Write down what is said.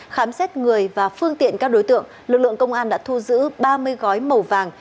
khám xét người và phương tiện các đối tượng lực lượng công an đã thu giữ ba mươi gói màu vàng